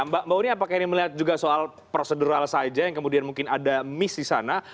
mbak uni apakah ini melihat juga soal prosedural saja yang kemudian mungkin ada miss di sana